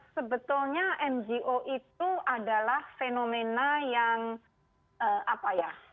sebetulnya ngo itu adalah fenomena yang apa ya